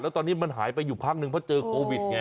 แล้วตอนนี้มันหายไปอยู่พักนึงเพราะเจอโควิดไง